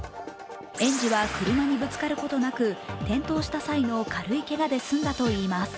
園児は車にぶつかることなく、転倒した際の軽いけがで済んだといいます。